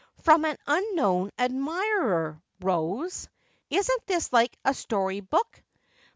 "From an unknown admirer, Rose? Isn't this like a story book?"